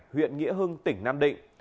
huyện nghĩa hưng tỉnh nam định